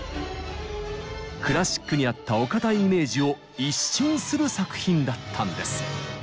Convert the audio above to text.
クラシックにあったお堅いイメージを一新する作品だったんです。